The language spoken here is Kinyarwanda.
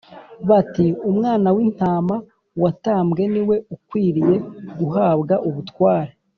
bati “Umwana w’Intama watambwe ni we ukwiriye guhabwa ubutware,